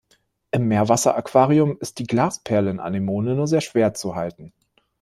Im Meerwasseraquarium ist die Glasperlen-Anemone nur sehr schwer zu halten.